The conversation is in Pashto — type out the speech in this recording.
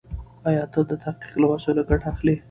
ايا ته د تحقيق له وسایلو ګټه اخلې؟